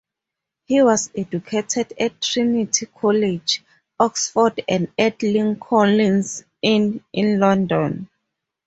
He was educated at Trinity College, Oxford and at Lincoln's Inn in London.